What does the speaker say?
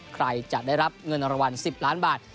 ใครจะได้รับเงินรางวัล๑๐ล้านบาท